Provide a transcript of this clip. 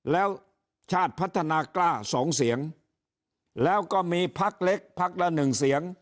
แล้วชาติพัฒนากล้า๒เสียงแล้วก็มีภักด์เล็กภักด์ละ๑เสียง